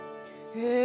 え